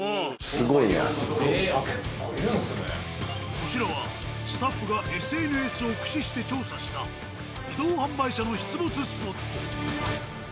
こちらはスタッフがＳＮＳを駆使して調査した移動販売車の出没スポット。